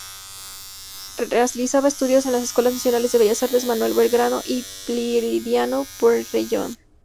Realiza estudios en las escuelas nacionales de Bellas Artes Manuel Belgrano y Prilidiano Pueyrredón.